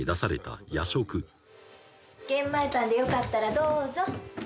「玄米パンでよかったらどうぞ」